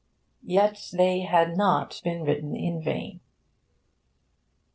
Yet they had not been written in vain.